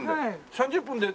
３０分で。